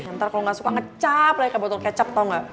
ntar kalo gak suka ngecap lah ke botol kecap tau gak